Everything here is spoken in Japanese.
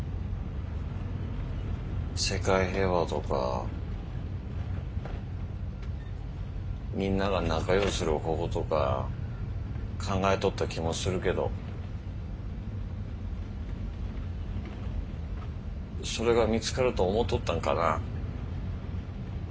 世界平和とかみんなが仲良うする方法とか考えとった気もするけどそれが見つかると思うとったんかな。